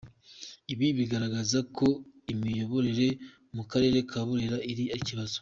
Ibi bikagaragaza ko imiyoborere mu karere ka Burera ari ikibazo.